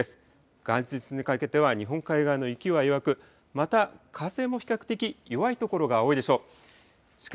元日にかけては日本海側の雪は弱く、また風も比較的弱い所が多いでしょう。